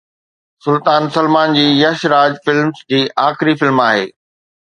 سلطان سلمان جي يش راج فلمز جي آخري فلم آهي